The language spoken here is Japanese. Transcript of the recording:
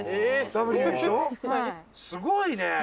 すごいね！